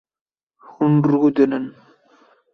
Hûn rûdinin